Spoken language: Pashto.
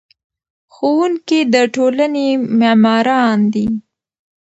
ښوونکي د ټولنې معماران دي.